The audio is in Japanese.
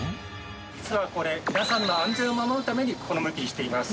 実はこれ皆さんの安全を守るためにこの向きにしています。